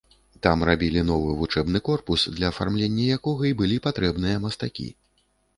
Там рабілі новы вучэбны корпус, для афармлення якога і былі патрэбныя мастакі.